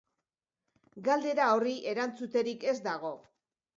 Galdera horri erantzuterik ez dago.